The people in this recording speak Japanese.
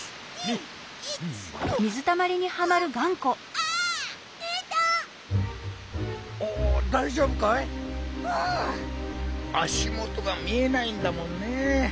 あしもとがみえないんだもんね。